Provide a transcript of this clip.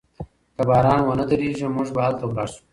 که باران و نه وریږي موږ به هلته لاړ شو.